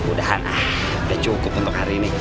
udah cukup untuk hari ini